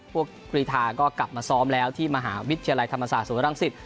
กรีธาก็กลับมาซ้อมแล้วที่มหาวิทยาลัยธรรมศาสตร์ศูนย์รังสิต